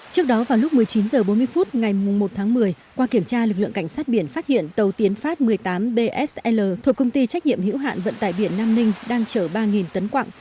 trước đó vào lúc một mươi chín h bốn mươi phút ngày một tháng một mươi qua kiểm tra lực lượng cảnh sát biển phát hiện tàu tiến phát một mươi tám bsl thuộc công ty trách nhiệm hữu hạn vận tải biển nam ninh đang chở ba tấn quạng